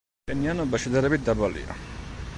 ტენიანობა შედარებით დაბალია.